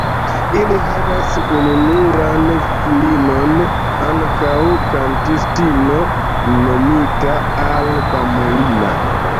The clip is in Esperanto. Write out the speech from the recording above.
Ili havas ununuran filinon ankaŭ kantistino nomita Alba Molina.